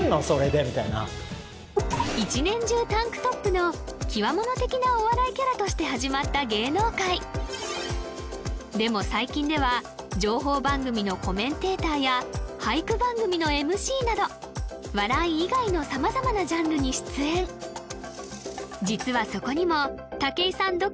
それでみたいな一年中タンクトップのキワモノ的なお笑いキャラとして始まった芸能界でも最近では情報番組のコメンテーターや俳句番組のＭＣなど笑い以外の様々なジャンルに出演実はそこにも武井さん